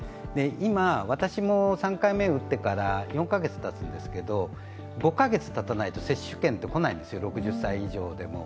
今、私も３回目打ってから４カ月たつんですけど５カ月たたないと接種券が来ないんですよ、６０歳以上でも。